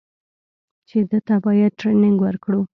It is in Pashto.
چې ده ته بايد ټرېننگ ورکړو.